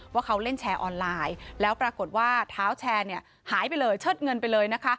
ว่าเขาเล่นแชร์ออนไลน์แล้วปรากฏว่าเท้าแชร์เนี่ยหายไปเลยเชิดเงินไปเลยนะคะ